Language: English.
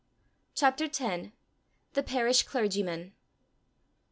CHAPTER X THE PARISH CLERGYMAN.